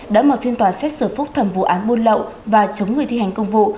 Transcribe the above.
đã mở phiên tòa xét xử phúc thẩm vụ án buôn lậu và chống người thi hành công vụ